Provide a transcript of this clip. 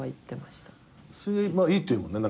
水泳いいっていうもんね。